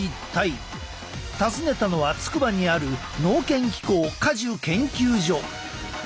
訪ねたのは筑波にある農研機構果樹研究所。